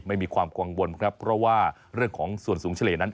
มีความกังวลครับเพราะว่าเรื่องของส่วนสูงเฉลี่ยนั้น